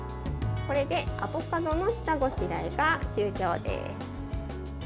これで、アボカドの下ごしらえが終了です。